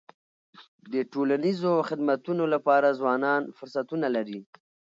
د ټولنیزو خدمتونو لپاره ځوانان فرصتونه لري.